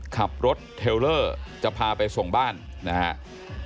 ขับรถเทลเลอร์จะพาไปส่งบ้านนะครับ